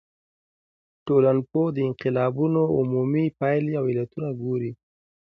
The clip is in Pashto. ټولنپوه د انقلابونو عمومي پايلي او علتونه ګوري.